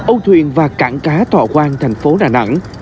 âu thuyền và cảng cá thọ quang thành phố đà nẵng